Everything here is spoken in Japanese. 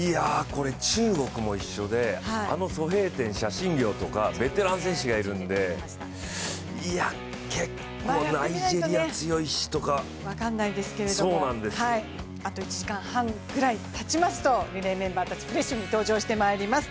これ、中国も一緒で、あの蘇炳添、謝震業とかベテラン選手がいるんで、いや、結構ナイジェリア強いしとかあと１時間半くらいたちますと、リレーメンバーたち、フレッシュに登場してまいります。